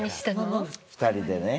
２人でね